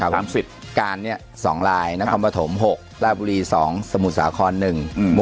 ครับห้ามสิบการเนี้ยสองหนึ่งอืม